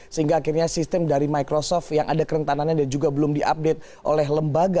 sehingga akhirnya sistem dari microsoft yang ada kerentanannya dan juga belum diupdate oleh lembaga